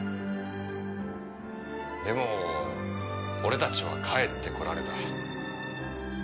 でも俺たちは帰ってこられた。